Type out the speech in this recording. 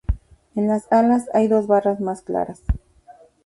En las alas, hay dos barras más claras.